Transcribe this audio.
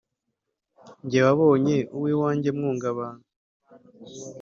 jye wabonye uw’iwanjye mwungabantu